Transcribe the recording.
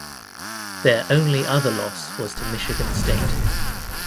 Their only other loss was to Michigan State.